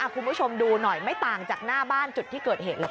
คุณผู้ชมดูหน่อยไม่ต่างจากหน้าบ้านจุดที่เกิดเหตุเลยค่ะ